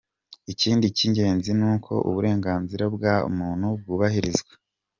Ikindi cy’ingenzi ni uko uburenganzira bwa muntu bwuhahirizwa.